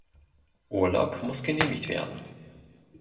Urlaub muss genehmigt werden.